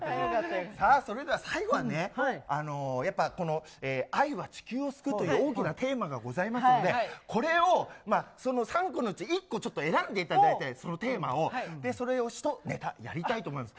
さあそれでは、最後はね、やっぱりこの、愛は地球を救うという大きなテーマがございますので、これを、その３個のうち１個ちょっと選んでいただいて、そのテーマを、それを１ネタやりたいと思います。